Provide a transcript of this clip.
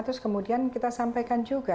terus kemudian kita sampaikan juga